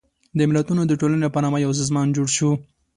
د ملتونو د ټولنې په نامه یو سازمان جوړ شو.